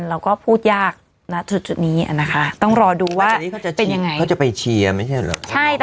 เราก็พูดยากณจุดจุดนี้อ่ะนะคะต้องรอดูว่าเป็นยังไงเขาจะไปเชียร์ไม่ใช่เหรอ